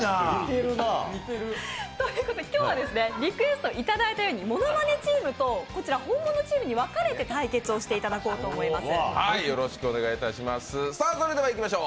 今日はリクエストいただいたようにものまねチームとホンモノチームに分かれて対決をしていただこうと思います。